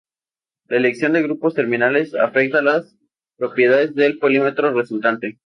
La elección de grupos terminales afecta las propiedades del polímero resultante.